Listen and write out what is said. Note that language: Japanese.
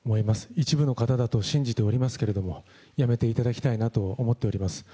一部の方だと信じておりますけれども、やめていただきたいなと思っております。